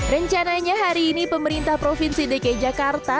rencananya hari ini pemerintah provinsi dki jakarta